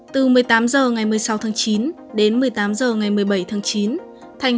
từ một mươi tám h ngày một mươi sáu tháng chín đến một mươi tám h ngày một mươi bảy tháng chín thành